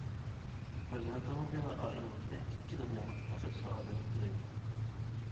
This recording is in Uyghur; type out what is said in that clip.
پەرزەنتىڭىزگە ۋە ئائىلىڭىزگە ئىككى دۇنيالىق بەخت-سائادەت تىلەيمەن.